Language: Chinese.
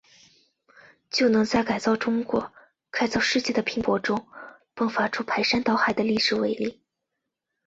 就能在改造中国、改造世界的拼搏中，迸发出排山倒海的历史伟力。